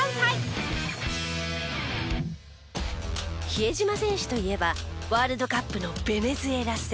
比江島選手といえばワールドカップのベネズエラ戦。